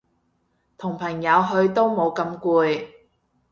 同朋友去都冇咁攰